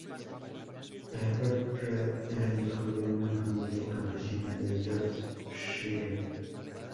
Herbert Read era hijo de una familia campesina de Yorkshire.